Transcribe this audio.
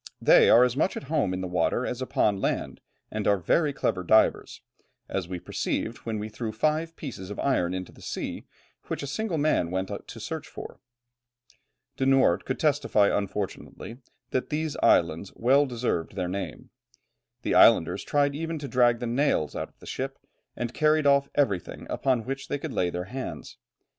They are as much at home in the water as upon land, and are very clever divers, as we perceived when we threw five pieces of iron into the sea, which a single man went to search for." De Noort could testify unfortunately, that these islands well deserved their name. The islanders tried even to drag the nails out of the ship, and carried off everything upon which they could lay their hands.